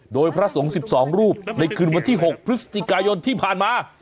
โดยพระสงฆ์๑๒รูปในคืนวันที่๖พฤศจิกายนที่ผ่านมา